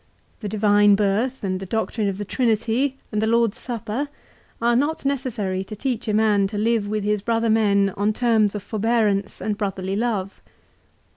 The divine birth, and the doctrine of the Trinity, and the Lord's Supper, are not necessary to teach a man to live with his brother men on terms of forbearance and brotherly love.